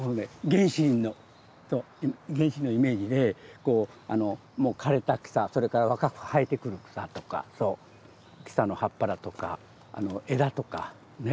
原始林のイメージでもう枯れた草それから若く生えてくる草とか草の葉っぱだとか枝とかね